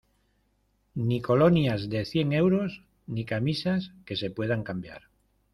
ni colonias de cien euros ni camisas que se pueden cambiar